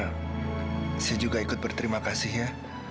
saya juga ikut berterima kasih ya